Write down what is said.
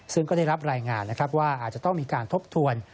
ซึ่งก็ได้รับรายงานนะครับว่าอาจจะต้องมีการทบทวน